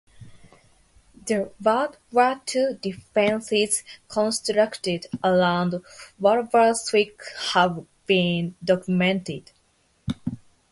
The World War Two defences constructed around Walberswick have been documented.